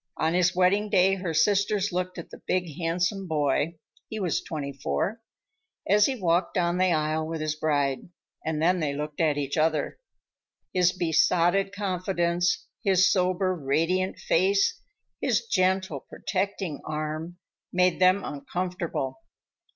On his wedding day her sisters looked at the big, handsome boy—he was twenty four—as he walked down the aisle with his bride, and then they looked at each other. His besotted confidence, his sober, radiant face, his gentle, protecting arm, made them uncomfortable.